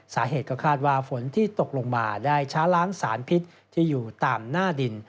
สาเหตุก็คาดว่าฝนที่ตกลงมาได้ช้าล้างสารพิษที่อยู่ตามหน้าดิน